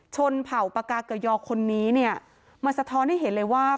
เผ่าปากาเกยอคนนี้เนี่ยมันสะท้อนให้เห็นเลยว่า